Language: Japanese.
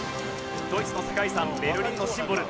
ドイツの世界遺産ベルリンのシンボル。